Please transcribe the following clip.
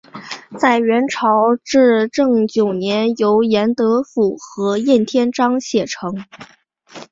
在元朝至正九年由严德甫和晏天章写成。